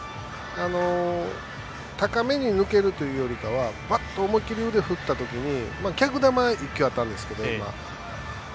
高めに抜けるというよりかは思いっきり腕を振ったときに逆球、１球あったんですけど